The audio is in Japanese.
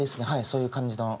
そういう感じの。